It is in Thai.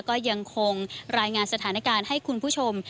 ก็ยังคงรายงานสถานการณ์ให้คุณผู้ชม